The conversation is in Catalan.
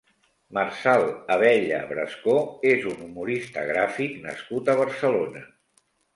Marçal Abella Brescó és un humorista gràfic nascut a Barcelona.